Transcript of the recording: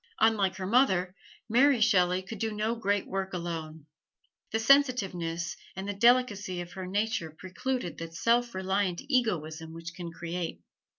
Unlike her mother, Mary Shelley could do no great work alone. The sensitiveness and the delicacy of her nature precluded that self reliant egoism which can create.